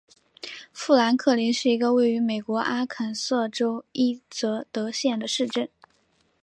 富兰克林是一个位于美国阿肯色州伊泽德县的市镇。